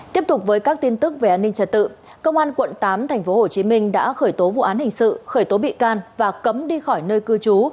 tiếp tục với các tin tức về an ninh trật tự công an quận tám tp hcm đã khởi tố vụ án hình sự khởi tố bị can và cấm đi khỏi nơi cư trú